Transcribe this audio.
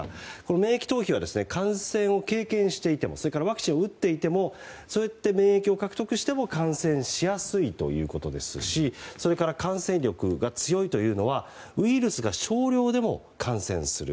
免疫逃避は感染を経験していてもそれからワクチンを打っていて免疫を獲得していても感染しやすいということですしそれから、感染力が強いというのはウイルスが少量でも感染する。